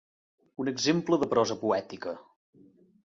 Un exemple de prosa poètica.